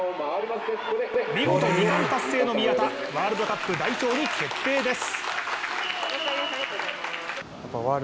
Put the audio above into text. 見事２冠達成の宮田、ワールドカップ代表に決定です。